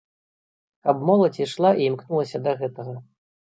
Каб моладзь ішла і імкнулася да гэтага.